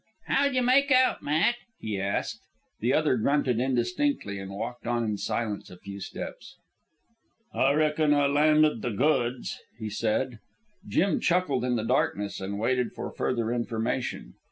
"How'd you make out, Matt?" he asked. The other grunted indistinctly, and walked on in silence a few steps. "I reckon I landed the goods," he said. Jim chuckled in the darkness, and waited for further information.